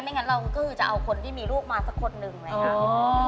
งั้นเราก็คือจะเอาคนที่มีลูกมาสักคนหนึ่งไหมคะ